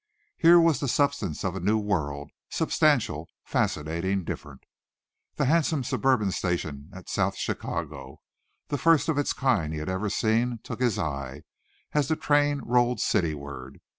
Here was the substance of a new world, substantial, fascinating, different. The handsome suburban station at South Chicago, the first of its kind he had ever seen, took his eye, as the train rolled cityward.